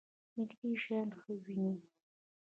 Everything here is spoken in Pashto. نږدې شیان ښه وینئ؟